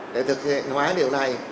để thực hiện hóa điều này